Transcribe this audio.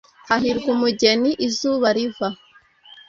hahirwa umugeni izuba riva